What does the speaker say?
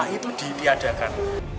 nah itu diiadakan